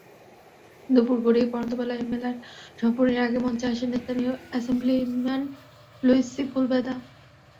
দুপুর গড়িয়ে পড়ন্তবেলায় মেলার সমাপনীর আগে মঞ্চে আসেন স্থানীয় অ্যাসেমব্লিম্যান লুইস সিপুলভেদা।